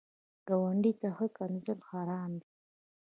ګاونډي ته ښکنځل حرام دي